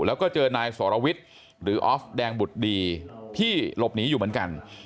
แล้วก็เจอนายสรวิทย์หรือออฟแดงบุตรดีที่หลบหนีอยู่เหมือนกัน